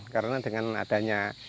karena dengan adanya